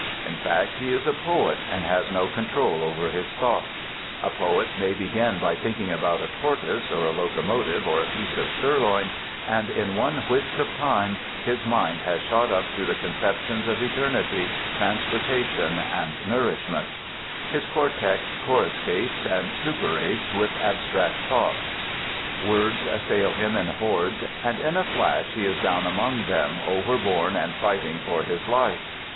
In fact, he is a poet, and has no control over his thoughts. A poet may begin by thinking about a tortoise, or a locomotive, or a piece of sirloin, and in one whisk of Time his mind has shot up to the conceptions of Eternity, Transportation, and Nourishment: his cortex coruscates and suppurates with abstract thought; words assail him in hordes, and in a flash he is down among them, overborne and fighting for his life.